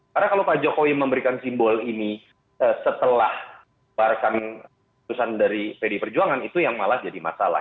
karena kalau pak jokowi memberikan simbol ini setelah bahkan keputusan dari pdi perjuangan itu yang malah jadi masalah